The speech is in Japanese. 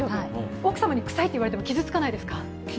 奥様にくさいと言われて傷つかないですか？